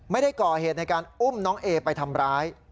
ไม่ได้ก่อเหตุในการอุ้มน้องเอไปทำร้าย